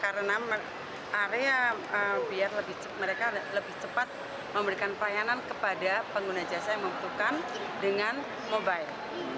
karena area biar mereka lebih cepat memberikan pelayanan kepada pengguna jasa yang membutuhkan dengan mobile